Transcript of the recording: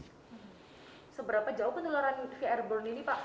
seberapa jauh penularan v airborne ini pak